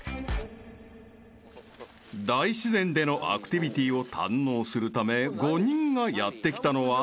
［大自然でのアクティビティを堪能するため５人がやって来たのは］